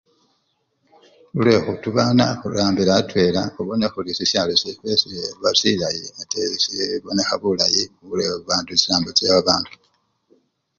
Khulwe khutubana khurambile alala khubona khuri sisyalo syefwe siba silayi ate sibonekha bulayi khulwe babandu! chisambo chebabandu.